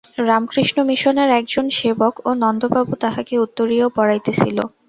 রামকৃষ্ণ মিশনের একজন সেবক ও নন্দবাবু তাহাকে উত্তরীয় পরাইতেছিল।